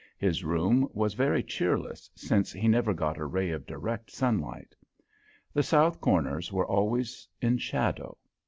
His room was very cheerless, since he never got a ray of direct sunlight; the south corners were always in shadow.